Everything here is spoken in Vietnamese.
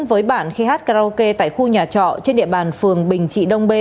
với bản khí hát karaoke tại khu nhà trọ trên địa bàn phường bình trị đông bê